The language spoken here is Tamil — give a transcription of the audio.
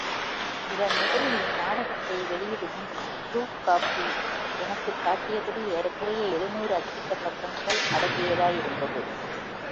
இவர் முதலில் இந்நாடகத்தை வெளியிடு முன் ப்ரூப் காபி எனக்குக் காட்டியபடி ஏறக்குறைய எழுநூறு அச்சிட்ட பக்கங்கள் அடங்கியதாயிருந்தது!